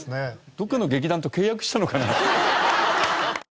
どこかの劇団と契約したのかな？